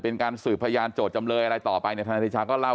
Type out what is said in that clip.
เป็นการสืบพยานโจทย์จำเลยอะไรต่อไปเนี่ยทนายเดชาก็เล่า